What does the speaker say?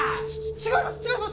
違います！